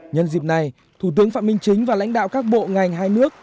nhân dịp này thủ tướng phạm minh chính và lãnh đạo các bộ ngành hai nước